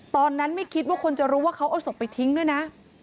ตอนนั้นไม่คิดว่าคนจะรู้ว่าเขาเอาศพไปทิ้งด้วยนะ